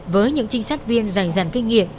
với những trinh sát viên dày dàng kinh nghiệm